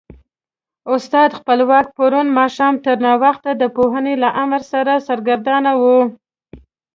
استاد خپلواک پرون ماښام تر ناوخته د پوهنې له امر سره سرګردانه و.